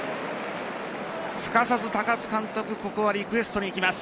すかさず高津監督ここはリクエストに行きます。